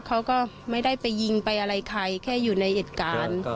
เขาก็ไม่ได้ไปยิงไปอะไรใครแค่อยู่ในเหตุการณ์